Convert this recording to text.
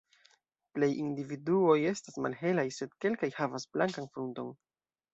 Plej individuoj estas malhelaj, sed kelkaj havas blankan frunton.